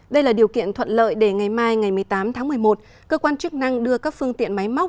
đây là điều kiện thuận lợi để ngày mai ngày một mươi tám tháng một mươi một cơ quan chức năng đưa các phương tiện máy móc